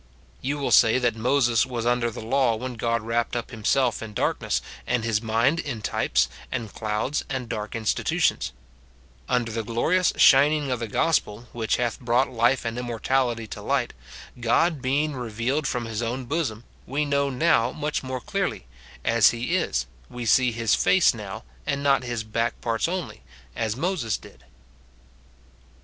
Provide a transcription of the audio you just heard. You will say that Moses was under the law when God wrapped up himself in darkness, and his mind in types and clouds and dark institutions ;— under the glorious shining of the gospelj which hath brought life and im SIN IN BELIEVERS. 263 mortality to light, God being revealed from his own bosom, we now know him much more clearly, and as he is ; we see his face now, and not his hach parts only, as Moses did.